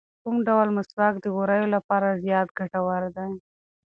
کوم ډول مسواک د ووریو لپاره زیات ګټور دی؟